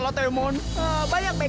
lumayan banyak hidup